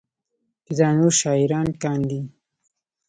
چې دا نور شاعران کاندي